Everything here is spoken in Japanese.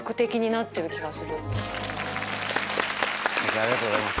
ありがとうございます。